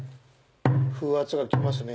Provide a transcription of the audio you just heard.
風圧が来ますね。